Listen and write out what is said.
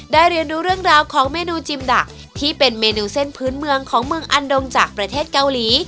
เรียนดูเรื่องราวของเมนูจิมดักที่เป็นเมนูเส้นพื้นเมืองของเมืองอันดงจากประเทศเกาหลี